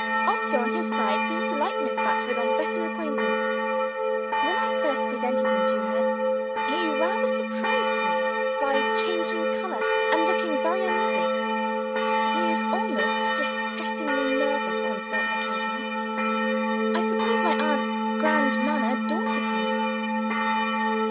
Oscar, on his side, seems to like Miss Batchford on better acquaintance. When I first presented him to her, he rather surprised me by changing color and looking very uneasy. He is almost distressingly nervous, on certain occasions. I suppose my aunt's grand manner daunted him.